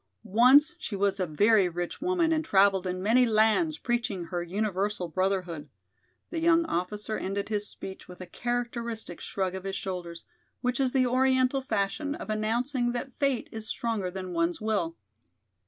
Once she was a very rich woman and traveled in many lands preaching her universal brotherhood," the young officer ended his speech with a characteristic shrug of his shoulders, which is the Oriental fashion of announcing that fate is stronger than one's will.